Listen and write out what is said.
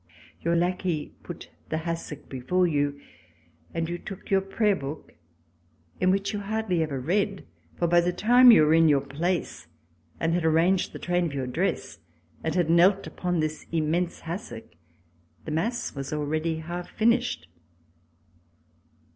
Your lackey RECOLLECTIONS OF THE REVOLUTION put the hassock before you and you took your prayer book, in which you hardly ever read, for, by the time you were in your place and had arranged the train of your dress and had knelt upon this immense hassock, the mass was already half finished.